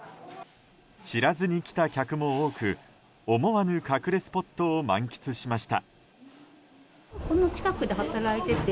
知らずに来た客も多く思わぬ隠れスポットを満喫しました。